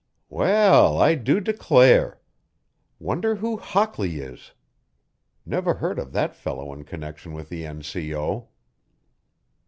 "Well, I do declare! Wonder who Hockley is. Never heard of that fellow in connection with the N.C.O."